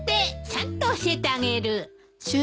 ちゃんと教えてあげる。